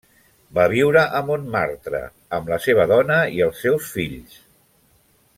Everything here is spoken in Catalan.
Va viure a Montmartre amb la seva dona i els seus fills.